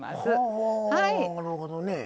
はなるほどね。